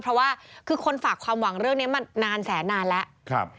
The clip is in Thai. เพราะว่าคือคนฝากความหวังเรื่องนี้มานานแสนนานแล้ว